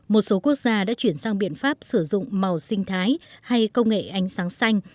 một số quốc gia đã chuyển sang biện pháp sử dụng màu sinh thái hay công nghệ ánh sáng xanh